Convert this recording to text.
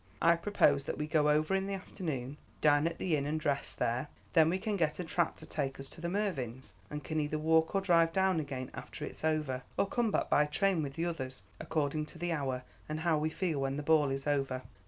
I propose that we go over in the afternoon, dine at the inn, and dress there. Then we can get a trap to take us up to the Mervyns', and can either walk or drive down again after it is over, or come back by train with the others, according to the hour and how we feel when the ball is over."